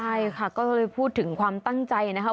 ใช่ค่ะก็เลยพูดถึงความตั้งใจนะคะ